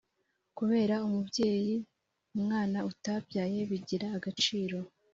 kubera umubyeyi umwana utabyaye bigira agaciro